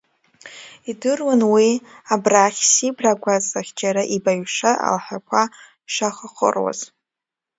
Идыруан уи, абрахь, Сибра агәаҵахь џьара ибаҩ-ишаҩ алаҳәақәа шахаҟыруаз.